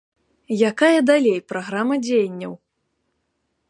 Якая далей праграма дзеянняў?